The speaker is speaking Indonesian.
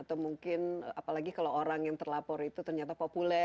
apalagi kalau orang yang terlapor itu ternyata populer